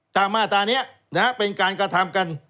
มาตรานี้เป็นการกระทำกัน